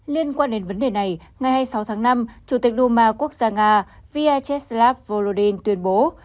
liên quan đến vấn đề này ngày hai mươi sáu tháng năm chủ tịch đôma quốc gia nga vyacheslav volodymyr zelensky tuyên bố